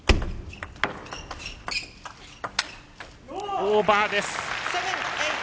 オーバーです。